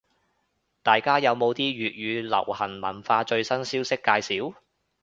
大家有冇啲粵語流行文化最新消息介紹？